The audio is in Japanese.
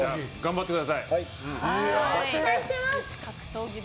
期待してます！